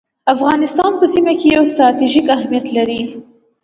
افغانستان په سیمه کي یو ستراتیژیک اهمیت لري